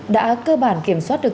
đã cơ bản kiểm soát được